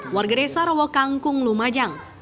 warga desa rewokangkung lumajang